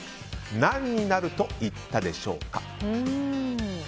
何になると言ったでしょうか。